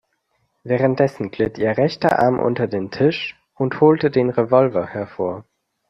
Währenddessen glitt ihr rechter Arm unter den Tisch und holte den Revolver hervor.